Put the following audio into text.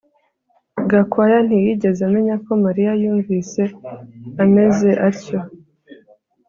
Gakwaya ntiyigeze amenya ko Mariya yumvise ameze atyo